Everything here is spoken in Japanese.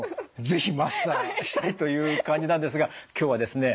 是非マスターしたいという感じなんですが今日はですね